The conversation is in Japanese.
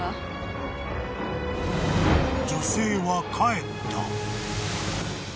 ［女性は帰った］